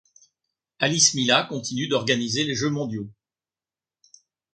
Alice Millat continue d'organiser les jeux mondiaux.